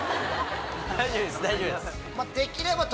⁉大丈夫です大丈夫です。